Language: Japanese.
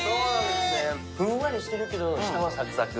ふんわりしてるけど、下はサクサク。